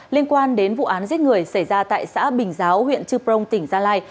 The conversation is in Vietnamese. liên quan đến vụ án giết người xảy ra tại xã bình giáo huyện chư prong tỉnh gia lai